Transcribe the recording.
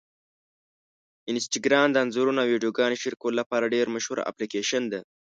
انسټاګرام د انځورونو او ویډیوګانو شریکولو لپاره ډېره مشهوره اپلیکېشن ده.